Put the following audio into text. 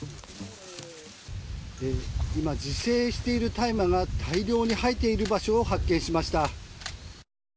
今、自生している大麻が大量に生えている場所を発見しました。